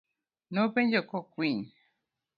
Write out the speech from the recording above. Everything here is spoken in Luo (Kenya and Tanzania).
Nopenjo kokwiny.